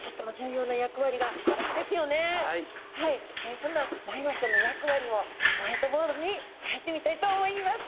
そんなマイワシちゃんの役割をホワイトボードに書いてみたいと思います。